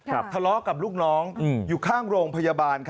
ทะเลาะกับลูกน้องอยู่ข้างโรงพยาบาล